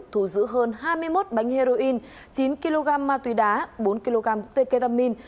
thù giữ hơn hai mươi một bánh heroin chín kg ma túy đá bốn kg t ketamine